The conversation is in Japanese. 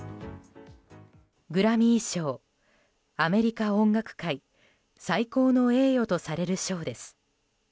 グラミー賞、アメリカ音楽界最高の栄誉とされる賞です。